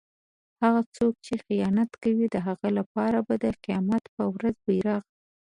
هغه کس چې خیانت کوي د هغه لپاره به د قيامت په ورځ بیرغ